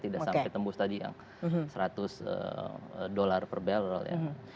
tidak sampai tembus tadi yang seratus dolar per barrel ya